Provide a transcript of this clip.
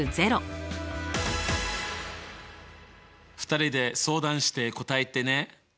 ２人で相談して答えてね。